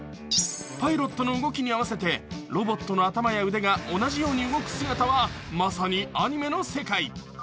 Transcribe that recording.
パイロットの動きに合わせてロボットの頭や腕が同じように動く姿はまさにアニメの世界。